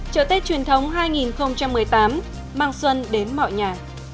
chợ tết truyền thống hai nghìn một mươi tám mang xuân đến mọi nhà